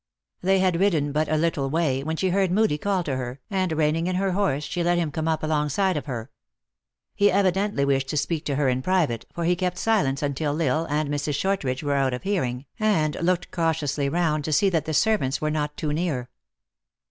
They had ridden but a little way, when she heard Moodie call to her, and reining in her horse, she let him come up alongside of her. He evidently wished to speak to her in private, for he kept silence until L Isle and Mrs. Shortridge were out of hearing, and 244 THE ACTRESS IN HIGH LIFE. looked cautiously round to see that the servants were not too near.